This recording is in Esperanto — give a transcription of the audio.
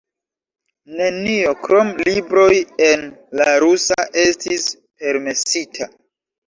Nenio, krom libroj en la rusa, estis permesita.